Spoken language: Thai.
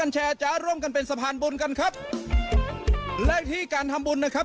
แชร์จ๊ะร่วมกันเป็นสะพานบุญกันครับและที่การทำบุญนะครับ